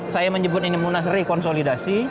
saya menyebut ini munas rekonsolidasi